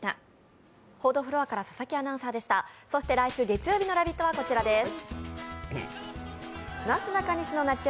そして来週月曜日の「ラヴィット！」はこちらです。